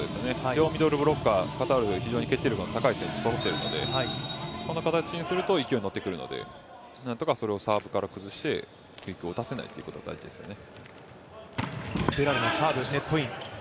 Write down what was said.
両ミドルブロッカー、カタールは決定力が高い選手がそろっているのでこの形にすると勢いに乗ってくるのでなんとかそれをサーブから崩してクイックを打たせないということが大事ですよね。